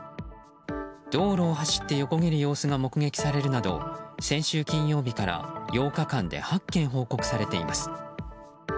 道路を走って横切る様子が目撃されるなど先週金曜日から８日間で８件報告されています。